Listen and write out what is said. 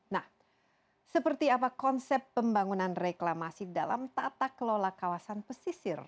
nah seperti apa konsep pembangunan reklamasi dalam tata kelola kawasan pesisir